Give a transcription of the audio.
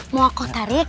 mau aku tarik